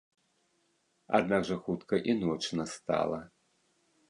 Аднак жа хутка і ноч настала.